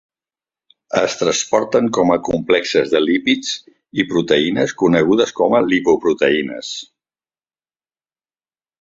Es transporten com a complexes de lípids i proteïnes conegudes com a lipoproteïnes.